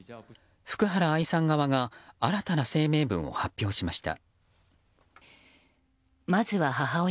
福原愛さん側が新たな声明文を発表しました。